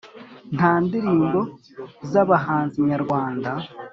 Nta ndirimbo zabahanzi nyarwanda